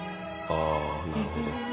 ああなるほどね。